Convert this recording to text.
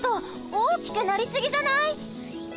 おおきくなりすぎじゃない？